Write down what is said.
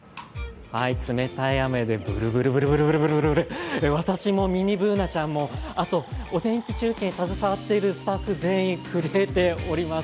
冷たい雨でブルブルブル私もミニＢｏｏｎａちゃんもあとお天気中継に携わっているスタッフ全員震えております。